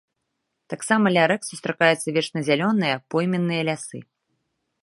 Таксама ля рэк сустракаюцца вечназялёныя пойменныя лясы.